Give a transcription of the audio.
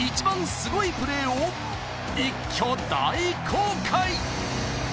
すごいプレーを一挙、大公開！